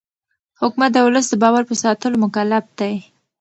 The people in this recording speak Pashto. حکومت د ولس د باور په ساتلو مکلف دی